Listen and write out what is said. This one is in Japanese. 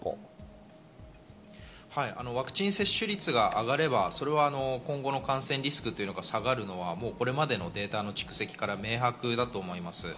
ワクチン接種率が上がれば今後の感染リスクが下がるのはこれまでのデータの蓄積から明白です。